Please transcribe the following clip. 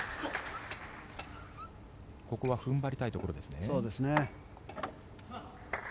ここは踏ん張りたいところですね。